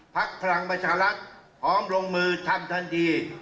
พักพลังประชาลักษณ์หอมลงมือทำทันที